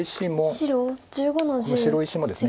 白１５の十ツギ。